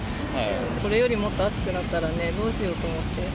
これよりもっと暑くなったらね、どうしようと思って。